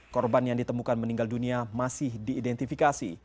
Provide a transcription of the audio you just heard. korban yang ditemukan meninggal dunia masih diidentifikasi